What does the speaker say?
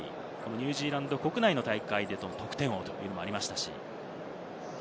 ニュージーランド国内の大会で得点王というのもありましたし。